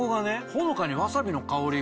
ほのかにワサビの香りが。